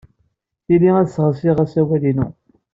Tili ad sseɣsiɣ asawal-inu.